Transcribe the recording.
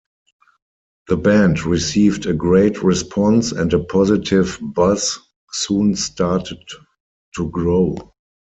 The band received a great response and a positive buzz soon started to grow.